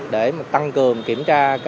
để tăng cường kiểm tra